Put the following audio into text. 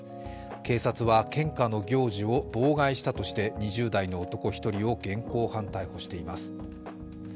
警察は献花の行事を妨害したとして２０代の男１人を現行犯逮捕しています。